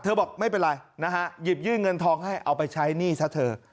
บอกไม่เป็นไรนะฮะหยิบยื่นเงินทองให้เอาไปใช้หนี้ซะเถอะ